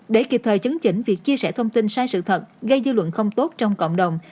để kịp thời chấn chỉnh việc chia sẻ thông tin sai sự thật gây dư luận không tốt trong cộng đồng